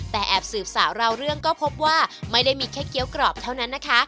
แต่แอบสืบสาวราวเรื่องก็พบว่าไม่ได้มีแค่เกี้ยวกรอบเท่านั้นนะคะ